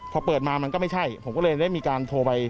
พอเปิดมามันก็ไม่ใช่ผมก็เลยได้มีการโทรไป